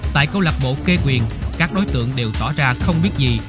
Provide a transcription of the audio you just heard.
tại câu lạc bộ kê quyền các đối tượng đều tỏ ra không biết gì